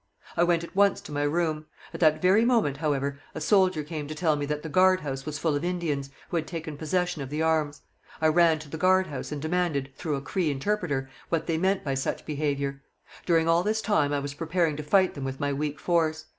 I went at once to my room. At that very moment, however, a soldier came to tell me that the guard house was full of Indians, who had taken possession of the arms. I ran to the guard house and demanded, through a Cree interpreter, what they meant by such behaviour. During all this time I was preparing to fight them with my weak force.